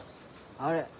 あれ？